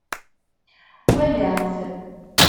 Wallaɣ-t